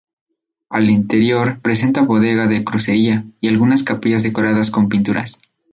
Al interior presenta bóveda de crucería y algunas capillas decoradas con pinturas.